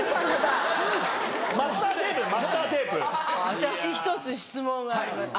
私１つ質問があります